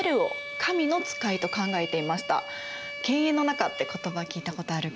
「犬猿の仲」って言葉聞いたことあるかな？